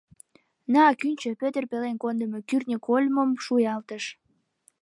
— На, кӱнчӧ, — Петр пелен кондымо кӱртньӧ кольмым шуялтыш.